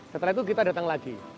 setelah itu kita datang lagi